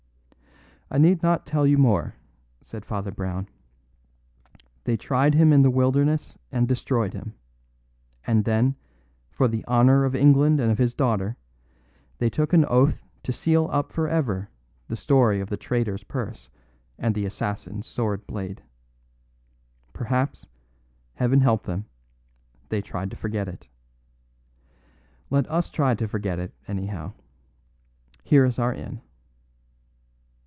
"I need not tell you more," said Father Brown. "They tried him in the wilderness and destroyed him; and then, for the honour of England and of his daughter, they took an oath to seal up for ever the story of the traitor's purse and the assassin's sword blade. Perhaps Heaven help them they tried to forget it. Let us try to forget it, anyhow; here is our inn."